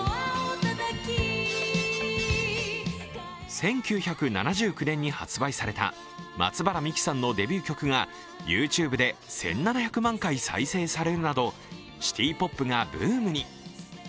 １９７９年に発売された松原みきさんのデビュー曲がＹｏｕＴｕｂｅで１７００万回再生されるなどシティポップがブームに。